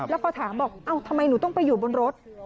แล้วพอถามบอกเอ้าทำไมหนูต้องไปอยู่บนรถ